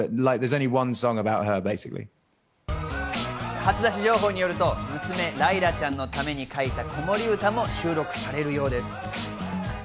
初出し情報によると娘・ライラちゃんのために書いた子守唄も収録されるようです。